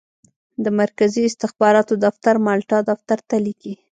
د مرکزي استخباراتو دفتر مالټا دفتر ته لیکي.